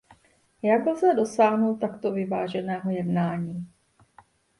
Jak lze dosáhnout takto vyváženého jednání?